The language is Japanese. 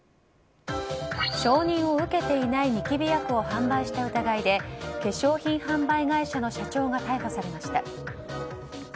承認を受けていないニキビ薬を販売した疑いで化粧品販売会社の社長が逮捕されました。